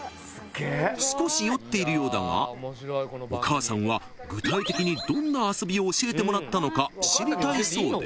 ［少し酔っているようだがお母さんは具体的にどんな遊びを教えてもらったのか知りたいそうで］